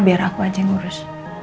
biar aku aja yang ngurus